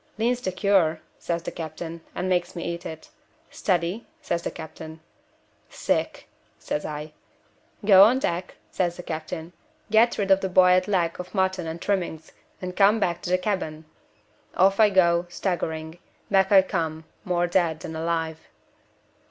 'Lean's the cure,' says the captain, and makes me eat it. 'Steady?' says the captain. 'Sick,' says I. 'Go on deck,' says the captain; 'get rid of the boiled leg of mutton and trimmings and come back to the cabin.' Off I go, staggering back I come, more dead than alive.